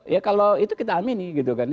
ya kalau itu kita amini gitu kan